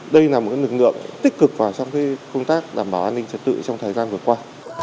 đây là một lực lượng tích cực vào trong công tác đảm bảo an ninh trật tự trong thời gian vừa qua